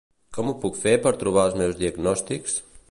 Com ho puc fer per trobar els meus diagnòstics?